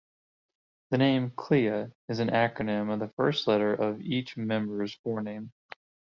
The name 'Clea' is an acronym of the first letter of each member's forename.